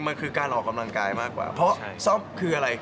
มันคือการออกกำลังกายมากกว่าเพราะซอฟต์คืออะไร